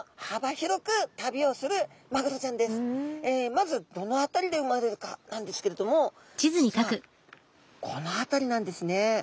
まずどの辺りで生まれるかなんですけれども実はこの辺りなんですね。